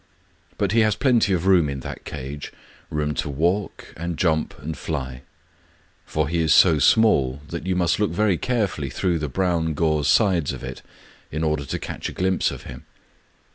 But he has plenty of room in that cage, — room to walk, and jump, and fly ; for he is so small that you must look very carefully through the brown gauze sides of it in order to catch a glimpse of him.